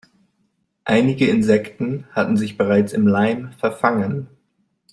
Einige Insekten hatten sich bereits im Leim verfangen.